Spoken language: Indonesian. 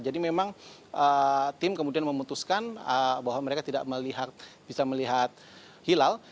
jadi memang tim kemudian memutuskan bahwa mereka tidak bisa melihat hilal